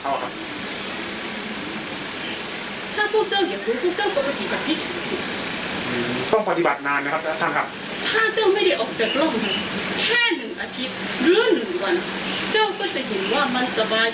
เจ้าก็จะเห็นว่ามันสบายความสบายของมัน